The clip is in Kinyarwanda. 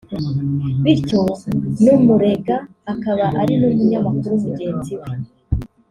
bityo n’umurega akaba ari n’umunyamakuru mugenzi we